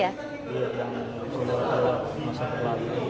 iya yang sudah lewat masa berlaku